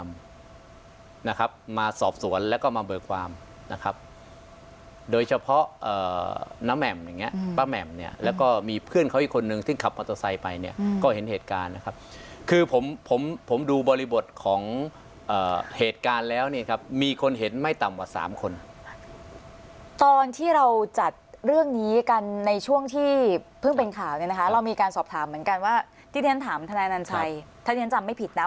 มาสอบสวนแล้วก็มาเบิกความนะครับโดยเฉพาะเอ่อน้ำแหม่มอย่างเงี้ยป้าแหม่มเนี้ยแล้วก็มีเพื่อนเขาอีกคนนึงที่ขับมอเตอร์ไซค์ไปเนี้ยก็เห็นเหตุการณ์นะครับคือผมผมผมดูบริบทของเอ่อเหตุการณ์แล้วเนี้ยครับมีคนเห็นไม่ต่ำว่าสามคนตอนที่เราจัดเรื่องนี้กันในช่วงที่เพิ่งเป็นข่าวเนี้ยนะคะเรามีการสอบถามเหม